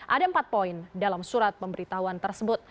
ada empat poin dalam surat pemberitahuan tersebut